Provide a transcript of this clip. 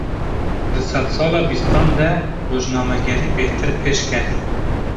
Di sedsala bîstan de, rojnamegerî bêhtir pêşket